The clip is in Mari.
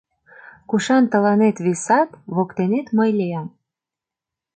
Кушан тыланет висат, воктенет мый лиям.